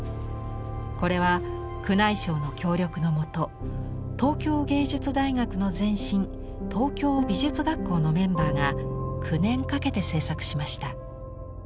これは宮内省の協力のもと東京藝術大学の前身東京美術学校のメンバーが９年かけて制作しました。